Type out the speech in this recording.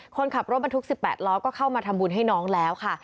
คนขับรถบรรทุก๑๘ล้อก็เข้ามาทำบุญให้น้องแล้วค่ะ